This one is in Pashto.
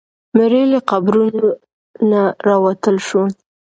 مړي له قبرونو نه راوتل شول.